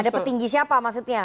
ada petinggi siapa maksudnya